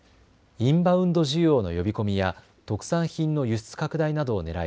インバウンド需要の呼び込みや特産品の輸出拡大などをねらい